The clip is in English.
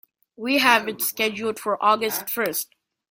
We have it scheduled for August first.